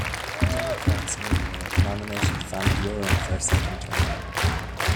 Democrats, meanwhile, nominated Van Buren for a second term.